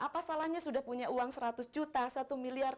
apa salahnya sudah punya uang seratus juta satu miliar